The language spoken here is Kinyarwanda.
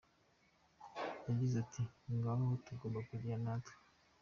Yagize ati :” Ngaho aho tugomba kugera natwe”.